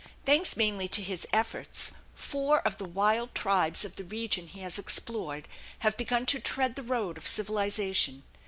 Thanks mainly to his efforts, four of the wild tribes of the region he has explored have begun to tread the road of civilization.